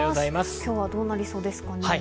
今日はどうなりそうでしょう？